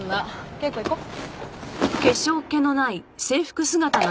景子行こう。